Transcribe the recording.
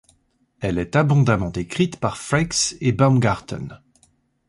Elle est abondamment décrite par Frakes et Baumgarten.